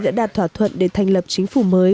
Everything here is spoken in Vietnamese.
đã đạt thỏa thuận để thành lập chính phủ mới